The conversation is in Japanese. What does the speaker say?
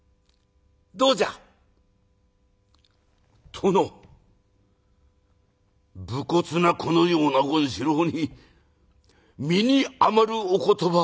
「殿武骨なこのような権四郎に身に余るお言葉。